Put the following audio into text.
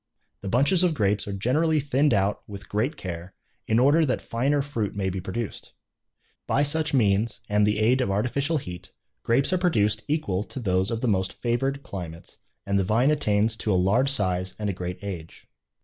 The bunches of grapes are generally thinned out with great care, in order that finer fruit may be produced. By such means, and the aid of artificial heat, grapes are produced equal to those of the most favored climates, and the vine attains to a large size and a great age.